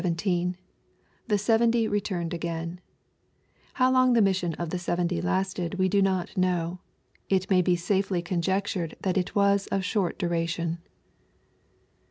— [jHi* ieveni'j returned again^ How long the mission of the Beventj lasted we do not know. It may be safely conjectured that it was of short duration.